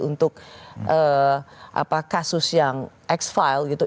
untuk kasus yang ex file gitu